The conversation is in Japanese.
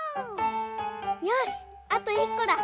よしあといっこだ！